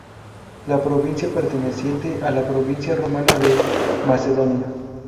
La provincia, perteneciente a la provincia romana de Macedonia.